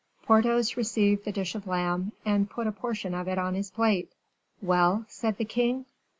Porthos received the dish of lamb, and put a portion of it on his plate. "Well?" said the king.